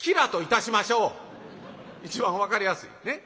一番分かりやすいねっ。